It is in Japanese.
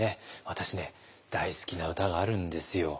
私ね大好きな歌があるんですよ。